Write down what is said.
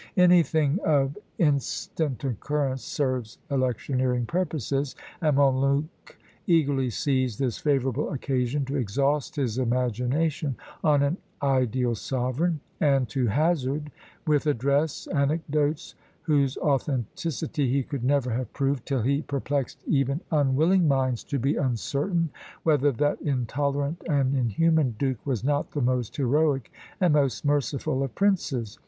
Anything of instant occurrence serves electioneering purposes, and Montluc eagerly seized this favourable occasion to exhaust his imagination on an ideal sovereign, and to hazard, with address, anecdotes, whose authenticity he could never have proved, till he perplexed even unwilling minds to be uncertain whether that intolerant and inhuman duke was not the most heroic and most merciful of princes.